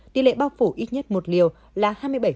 tỷ lệ bao phủ ít nhất một liều là hai mươi bảy